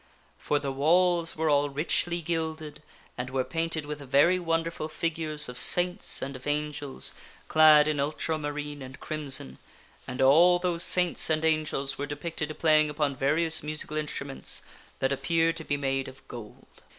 For the walls were all richly gilded and were painted oun a e. w ^ n verv wonderful figures of saints and of angels, clad in ultramarine and crimson, and all those saints and angels were depicted playing upon various musical instruments that appeared to be made of gold.